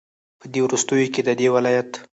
په دې وروستيو كې ددې ولايت